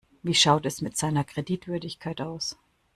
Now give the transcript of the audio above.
Wie schaut es mit seiner Kreditwürdigkeit aus?